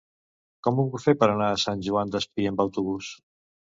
Com ho puc fer per anar a Sant Joan Despí amb autobús?